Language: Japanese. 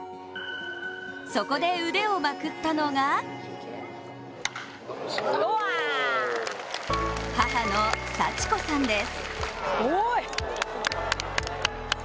そこで腕をまくったのが母の祥子さんです。